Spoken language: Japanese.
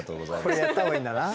これやったほうがいいんだな。